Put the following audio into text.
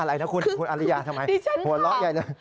อะไรนะคุณคุณอริยาทำไมหัวเราะใหญ่เลย